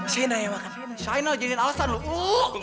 shaina yang makan shaina jadikan alasan lo